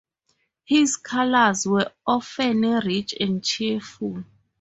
His colors were often rich and cheerful.